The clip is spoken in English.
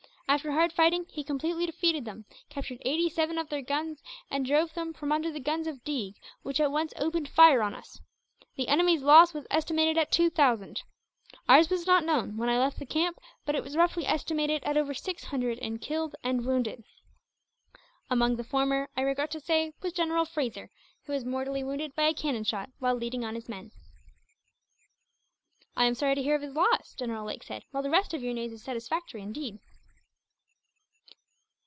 After hard fighting he completely defeated them, captured eighty seven of their guns, and drove them from under the guns of Deeg, which at once opened fire on us. The enemy's loss was estimated at two thousand. Ours was not known, when I left the camp; but it was roughly estimated at over six hundred in killed and wounded. Among the former, I regret to say, was General Fraser, who was mortally wounded by a cannon shot, while leading on his men." "I am sorry to hear of his loss," General Lake said, "while the rest of your news is satisfactory, indeed.